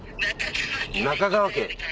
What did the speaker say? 「中川家」